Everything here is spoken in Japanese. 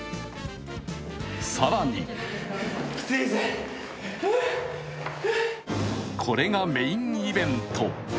更にこれがメインイベント。